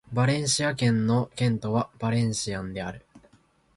バレンシア県の県都はバレンシアである